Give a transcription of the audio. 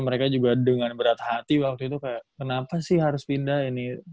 mereka juga dengan berat hati waktu itu kayak kenapa sih harus pindah ini